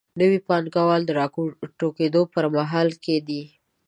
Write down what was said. نوي پانګوال د راټوکېدو په حال کې دي.